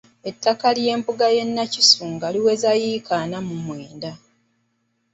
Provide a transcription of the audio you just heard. Ettaka ly’embuga y’e Nakisunga liweza yiika ana mu mwenda.